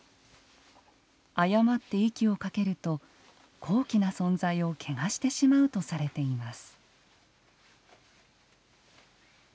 誤って息をかけると高貴な存在をけがしてしまうとされています。